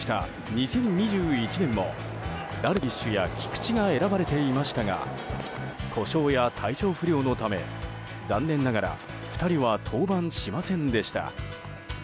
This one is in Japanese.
２０２１年もダルビッシュや菊池が選ばれていましたが故障や体調不良のため残念ながら２人は登板しませんでした。